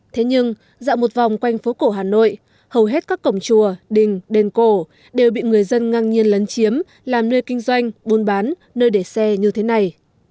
thế nhưng dạo một vòng quanh phố cổ hà nội hầu hết các cổng chùa đình đền cổ đều bị người dân ngang nhiên lấn chiếm làm nơi kinh doanh buôn bán nơi để xe như thế này